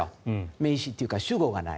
名詞というか主語がない。